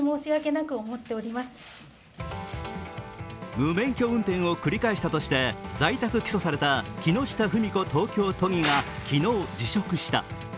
無免許運転を繰り返したとして、在宅起訴された木下富美子東京都議が昨日、辞職した。